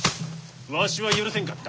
わしは許せんかった。